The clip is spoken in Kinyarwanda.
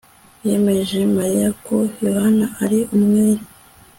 yemeje mariya ko yohana ari umwere